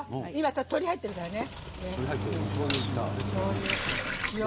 鶏、入ってるからね。